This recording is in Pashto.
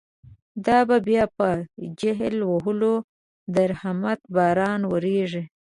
دابه بیا په جل وهلو، درحمت باران وریږی